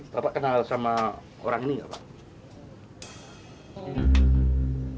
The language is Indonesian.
bapak kenal sama orang ini nggak pak